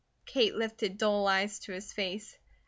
Kate lifted dull eyes to his face.